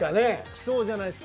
きそうじゃないですか？